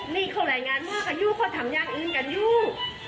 นี่เขาแหล่งงานมากกันอยู่เขาทำงานอื่นกันอยู่